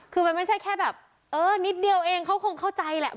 คือมันไม่ใช่แค่แบบเออนิดเดียวเองเขาคงเข้าใจแหละ